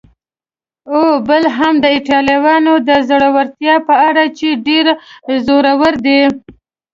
او بل هم د ایټالویانو د زړورتیا په اړه چې ډېر زړور دي.